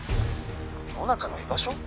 ⁉野中の居場所？